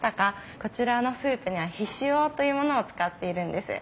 こちらのスープには醤というものを使っているんです。